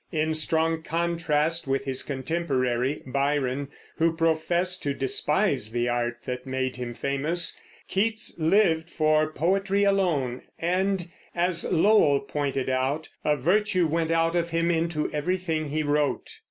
In strong contrast with his contemporary, Byron, who professed to despise the art that made him famous, Keats lived for poetry alone, and, as Lowell pointed out, a virtue went out of him into everything he wrote.